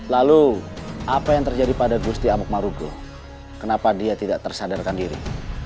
lalu apa yang terjadi pada gusti amok maroko kenapa dia tidak tersadarkan diri